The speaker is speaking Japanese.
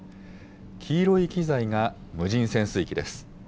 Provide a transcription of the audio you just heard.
黄色い機材が無人潜水機です。